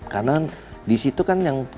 karena di situ kan yang